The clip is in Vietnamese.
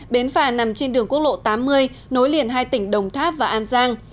bến phà nằm trên đường quốc lộ tám mươi nối liền hai tỉnh đồng tháp và an giang